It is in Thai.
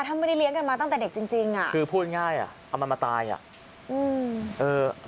ถ้ามันไม่ได้เลี้ยงกันมาตั้งแต่เด็กจริงคือพูดง่ายอ่ะเอามันมาตายอ่ะ